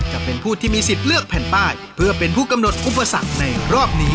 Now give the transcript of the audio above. จะเป็นผู้ที่มีสิทธิ์เลือกแผ่นป้ายเพื่อเป็นผู้กำหนดอุปสรรคในรอบนี้